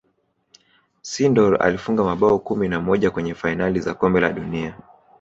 sindor alifunga mabao kumi na moja kwenye fainali za kombe la dunia